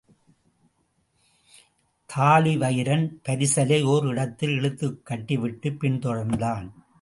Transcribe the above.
தாழிவயிறன் பரிசலை ஓர் இடத்தில் இழுத்துக் கட்டிவிட்டுப் பின்தொடர்ந்தான்.